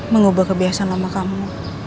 mengubah kebiasaan lama kamu